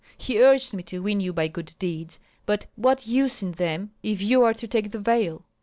He urged me to win you by good deeds. But what use in them if you are to take the veil?